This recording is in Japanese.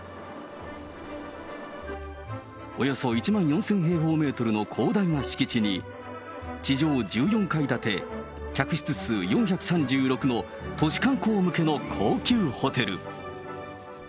およそ１万４０００平方メートルの広大な敷地に、地上１４階建て、客室数４３６の、都市観光向けの高級ホテル。